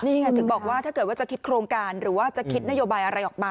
นี่ไงถึงบอกว่าถ้าเกิดว่าจะคิดโครงการหรือว่าจะคิดนโยบายอะไรออกมา